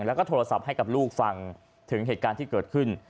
แล้วก็โทรศัพท์ให้กับลูกฟังถึงเหตุการณ์ที่เกิดขึ้น